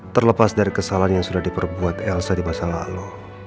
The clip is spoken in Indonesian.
terlepas dari kesalahan yang sudah diperbuat elsa di masa lalu